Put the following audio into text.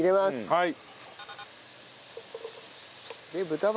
はい。